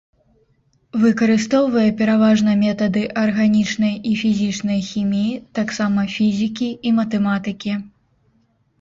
Выкарыстоўвае пераважна метады арганічнай і фізічнай хіміі, таксама фізікі і матэматыкі.